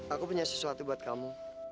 aku punya sesuatu buat kamu